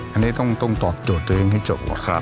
อันนี้ต้องตอบโจทย์ตัวเองให้จบ